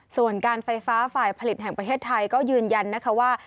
ส่วนการไฟฟ้าฝ่ายผลิตแห่งประเทศไทยก็ยืนยันนะคะว่า